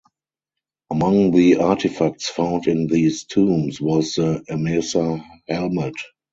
Among the artifacts found in these tombs was the Emesa helmet.